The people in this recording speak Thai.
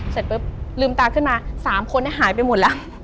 เสร็จปุ๊บลืมตาขึ้นมา๓คนหายไปหมดแล้ว